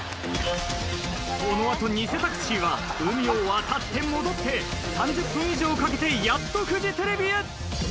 この後偽タクシーは海を渡って戻って３０分以上かけてやっとフジテレビへ。